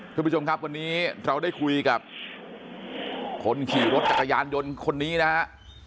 คุณผู้ชมครับวันนี้เราได้คุยกับคนขี่รถจักรยานยนต์คนนี้นะฮะ